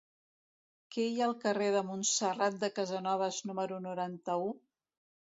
Què hi ha al carrer de Montserrat de Casanovas número noranta-u?